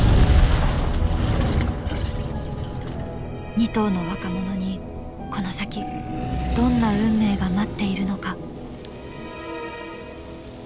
２頭の若者にこの先どんな運命が待っているのか。